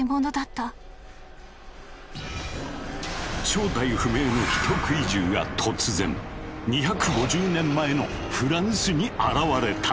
正体不明の人食い獣が突然２５０年前のフランスに現れたのだ。